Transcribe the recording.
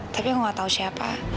tapi aku gak tau siapa